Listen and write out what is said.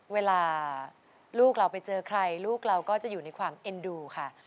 เวลาลูกเราไปเจอใครลูกเราก็จะอยู่ในความเอ็นดูค่ะ